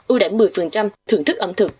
ưu đại một mươi thưởng thức ẩm thực